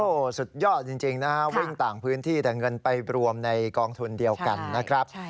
โอ้โหสุดยอดจริงนะฮะวิ่งต่างพื้นที่แต่เงินไปรวมในกองทุนเดียวกันนะครับ